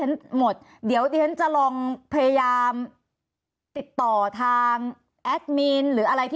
คุณเสือขออภัยที่แทรก